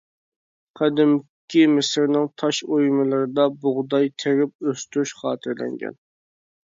قەدىمكى مىسىرنىڭ تاش ئويمىلىرىدا بۇغداي تېرىپ ئۆستۈرۈش خاتىرىلەنگەن.